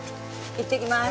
いってきます。